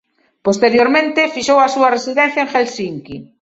Posteriormente fixou a súa residencia en Helsinqui.